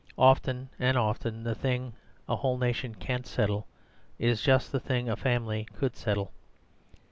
Often and often the thing a whole nation can't settle is just the thing a family could settle.